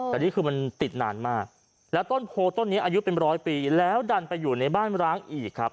แต่นี่คือมันติดนานมากแล้วต้นโพต้นนี้อายุเป็นร้อยปีแล้วดันไปอยู่ในบ้านร้างอีกครับ